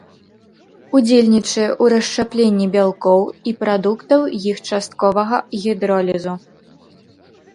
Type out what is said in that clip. Удзельнічае ў расшчапленні бялкоў і прадуктаў іх частковага гідролізу.